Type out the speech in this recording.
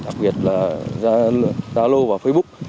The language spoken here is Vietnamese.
đặc biệt là giao lô vào facebook